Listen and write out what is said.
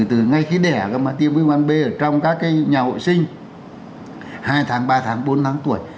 từ ngay khi đẻ mà tiêm v v v ở trong các cái nhà hội sinh hai tháng ba tháng bốn tháng tuổi